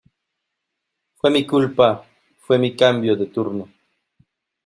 ¡ fue mi culpa! fue mi cambio de turno.